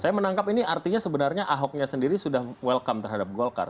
saya menangkap ini artinya sebenarnya ahoknya sendiri sudah welcome terhadap golkar